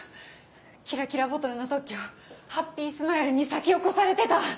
キラキラボトルの特許ハッピースマイルに先を越されてた！